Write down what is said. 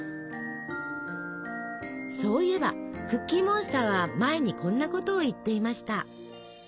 そういえばクッキーモンスターは前にこんなことを言っていました。